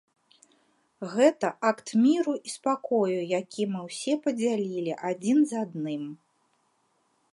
Гэта акт міру і спакою, які мы ўсе падзялілі адзін з адным.